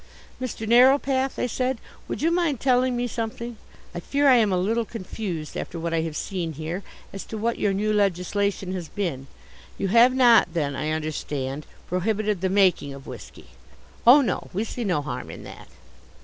"Mr. Narrowpath," I said, "would you mind telling me something? I fear I am a little confused, after what I have seen here, as to what your new legislation has been. You have not then, I understand, prohibited the making of whisky?" "Oh, no, we see no harm in that."